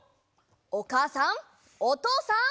おかあさんおとうさん。